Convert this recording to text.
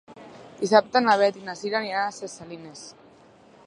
Dissabte na Beth i na Cira aniran a Ses Salines.